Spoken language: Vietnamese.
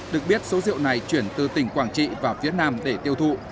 được biết số rượu này chuyển từ tỉnh quảng trị vào phía nam để tiêu thụ